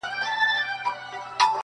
o په خبر سو معامیلې دي نوري نوري,